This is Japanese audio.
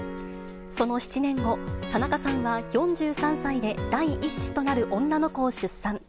その７年後、田中さんは４３歳で第１子となる女の子を出産。